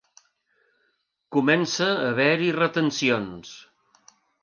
Comença a haver-hi retencions.